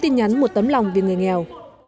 tấm lòng về người nghèo